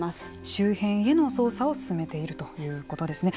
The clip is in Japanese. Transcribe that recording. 周辺への捜査を進めているということですね。